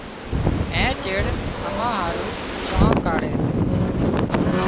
اين چيڙ اَمان هارو چانه ڪاڙهي سي۔